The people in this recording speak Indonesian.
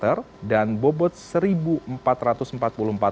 kedua kapal ini juga dilengkapi berbagai teknologi seperti sistem perdeteksi kontak dalam air